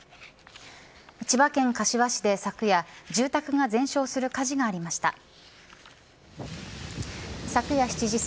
千葉県柏市で昨夜住宅が全焼する火事がありました。